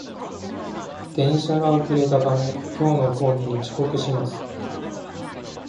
電車が遅れたため、今日の講義に遅刻します